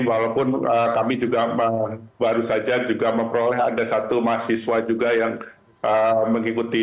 walaupun kami juga baru saja juga memperoleh ada satu mahasiswa juga yang mengikuti